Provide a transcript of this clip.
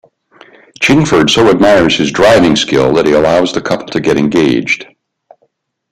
Chingford so admires his driving skill that he allows the couple to get engaged.